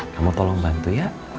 kamu tolong bantu ya